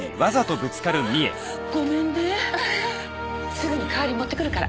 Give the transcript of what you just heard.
すぐに代わり持ってくるから。